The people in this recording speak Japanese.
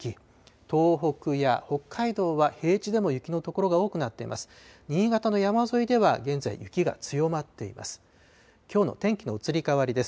東北や北海道は、平地でも雪の所が多くなっています。